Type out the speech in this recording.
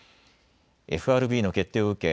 ＦＲＢの決定を受け